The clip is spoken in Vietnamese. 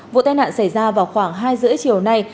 vụ tai nạn xảy ra vào khoảng hai h ba mươi chiều nay